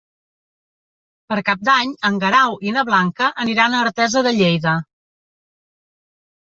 Per Cap d'Any en Guerau i na Blanca aniran a Artesa de Lleida.